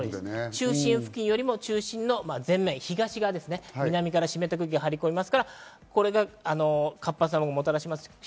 中心付近よりも中心の東側、南から湿った空気が流れ込みますから、活発な雨雲もたらしますから。